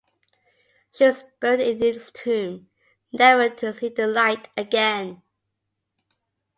She was buried in this tomb, never to see the light again.